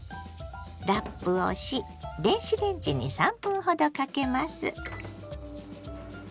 ラップをし電子レンジに３分ほどかけます。